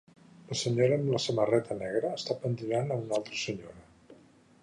La senyora amb la samarreta negra està pentinant a una altra senyora.